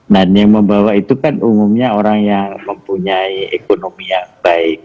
nah yang membawa itu kan umumnya orang yang mempunyai ekonomi yang baik